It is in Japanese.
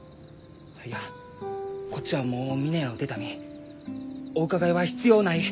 いやこっちはもう峰屋を出た身お伺いは必要ない。